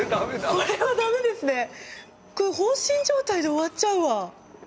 これ放心状態で終わっちゃうわ。